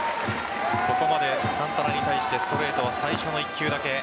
ここまでサンタナに対してストレートは最初の１球だけ。